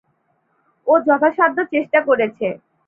ও যথাসাধ্য চেষ্টা করছে।